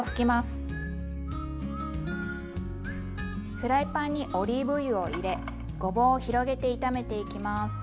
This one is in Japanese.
フライパンにオリーブ油を入れごぼうを広げて炒めていきます。